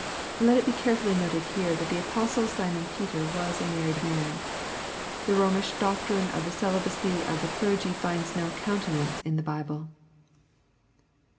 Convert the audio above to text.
] Let it be carefully noted here that the Apostle Simon Peter was a married man. The Romish doctrine of the celibacy of tiie clergy finds no countenance in ibm Bible.